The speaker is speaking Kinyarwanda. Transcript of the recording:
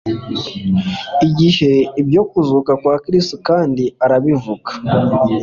igihe ibyo kuzuka kwa Kristo kandi arabivuga